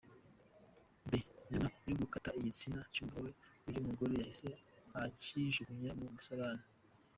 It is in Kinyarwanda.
be, nyuma yo gukata igitsina cy’umugabo we, uyu mugore yahise akijugunya mu musarani.